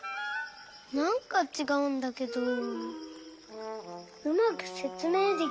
なんかちがうんだけどうまくせつめいできない。